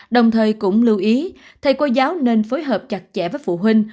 đồng thời cũng lưu ý thầy cô giáo nên phối hợp chặt chẽ với phụ huynh